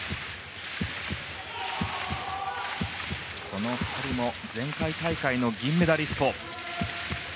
この２人も前回大会の銀メダリスト。